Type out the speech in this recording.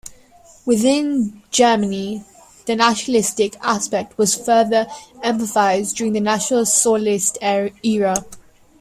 Within Germany, the nationalistic aspect was further emphasised during the National Socialist era.